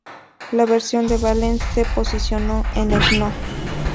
La versión de Valens se posicionó en el No.